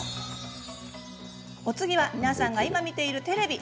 お次は皆さんが今、見ているテレビ。